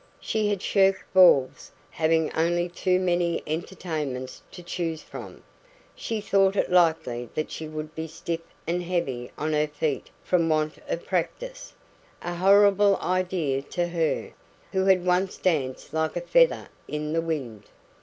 She had shirked balls, having only too many entertainments to choose from. She thought it likely that she would be stiff and heavy on her feet from want of practice a horrible idea to her, who had once danced like a feather in the wind.